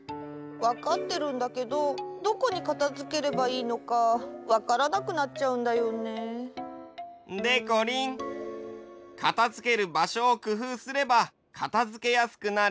わかってるんだけどどこにかたづければいいのかわからなくなっちゃうんだよね。でこりんかたづけるばしょをくふうすればかたづけやすくなるよ。